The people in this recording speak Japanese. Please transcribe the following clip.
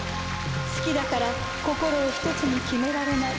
好きだから心を１つに決められない。